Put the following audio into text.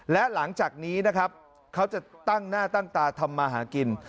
และหลังจากนี้นะครับเขาจะตั้งหน้าตั้งตาทำมาหากิน